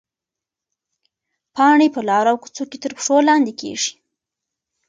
پاڼې په لارو او کوڅو کې تر پښو لاندې کېږي.